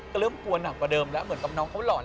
ก็เริ่มกลัวหนักกว่าเดิมแล้วเหมือนกับน้องเขาหล่อน